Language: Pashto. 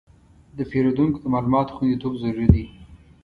د پیرودونکو د معلوماتو خوندیتوب ضروري دی.